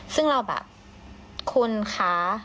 ซึ่งเราแบบคุณคะ